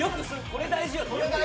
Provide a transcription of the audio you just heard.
これ大事よ。